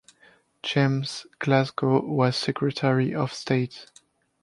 James Glasgow was Secretary of State.